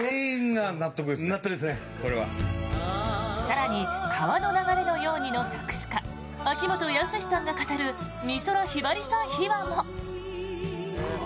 更に「川の流れのように」の作詞家秋元康さんが語る美空ひばりさん秘話も。